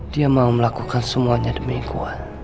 dia mau melakukan semuanya demi kuat